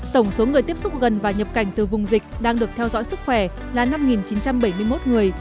tổng số người tiếp xúc gần và nhập cảnh từ vùng dịch đang được theo dõi sức khỏe là năm chín trăm bảy mươi một người